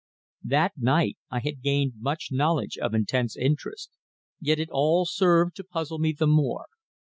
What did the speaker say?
That night I had gained much knowledge of intense interest, yet it all served to puzzle me the more.